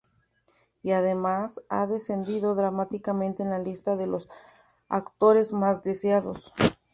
Y además, ha descendido dramáticamente en la lista de los actores más deseados.